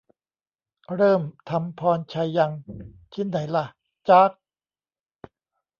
"เริ่มทำพรชัยยัง" ชิ้นไหนล่ะ ? จ๊าก